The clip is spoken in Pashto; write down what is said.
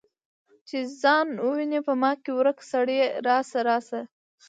چې ځان وویني په ما کې ورک سړیه راشه، راشه